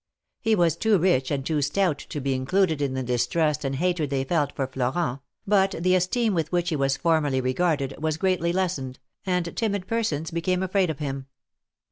He was too rich and too stout to be included in the distrust and hatred they felt for Florent, but the esteem with which he was formerly regarded, was greatly lessened, and timid persons became afraid of him.